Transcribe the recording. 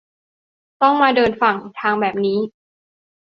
ต้องมาเดินฝั่ง 'ทาง'แบบนี้